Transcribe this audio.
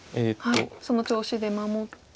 その調子で守って。